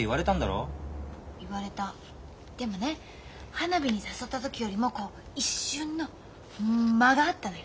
花火に誘った時よりもこう一瞬の間があったのよ。